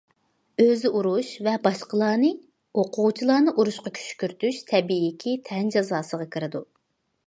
ئۆزى ئۇرۇش ۋە باشقىلارنى ئوقۇغۇچىلارنى ئۇرۇشقا كۈشكۈرتۈش تەبىئىيكى تەن جازاسىغا كىرىدۇ.